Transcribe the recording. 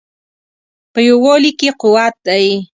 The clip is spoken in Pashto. په یووالي کې قوت دی